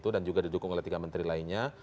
juga didukung oleh tiga menteri lainnya